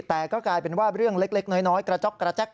แต่ก็กลายเป็นว่าเรื่องเล็กน้อยกระจ๊อกกระแจ๊ก